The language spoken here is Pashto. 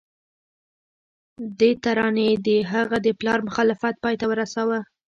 دې ترانې د هغه د پلار مخالفت پای ته ورساوه